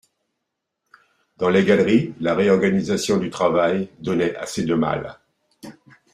Dans les galeries, la réorganisation du travail donnait assez de mal.